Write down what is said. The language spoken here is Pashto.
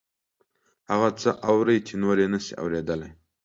هغه څه اوري چې نور یې نشي اوریدلی